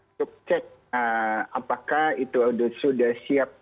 untuk cek apakah itu sudah siap